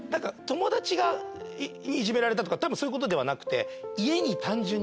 友達がいじめられたとかたぶんそういうことではなくて。